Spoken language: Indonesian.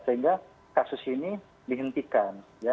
sehingga kasus ini dihentikan